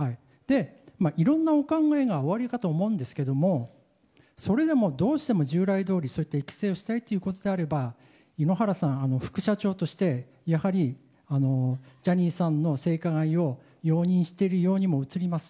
いろんなお考えがおありかと思いますがそれでもどうしても従来どおりそういった育成をしたいということであれば井ノ原さん、副社長としてやはりジャニーさんの性加害を容認しているようにも映ります。